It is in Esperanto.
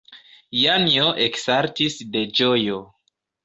Janjo eksaltis de ĝojo.